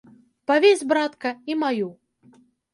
Павесь, братка, і маю.